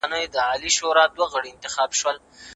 پيسي په کومو برخوکي لګول کیږي؟